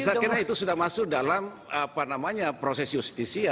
saya kira itu sudah masuk dalam proses justisia